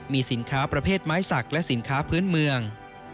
มีสินค้าประเภทไม้สักและสินค้าพื้นเมือง